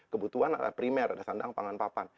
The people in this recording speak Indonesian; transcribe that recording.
kebutuhan ada primer ada sandang pangan papan